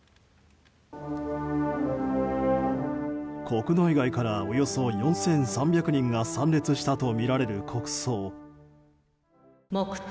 国内外からおよそ４３００人が参列したとみられる国葬。